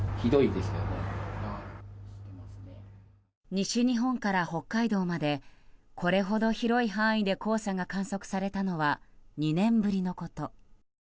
西日本から北海道までこれほど広い範囲で黄砂が観測されたのは２年ぶりのこと。